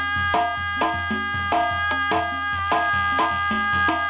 dan bagaimana merawat seni budaya agar tak tergerus zaman